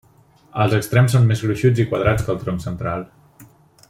Els extrems són més gruixuts i quadrats que el tronc central.